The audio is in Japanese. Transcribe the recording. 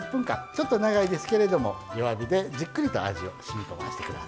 ちょっと長いですけれども弱火でじっくりと味をしみこませてください。